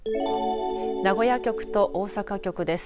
名古屋局と大阪局です。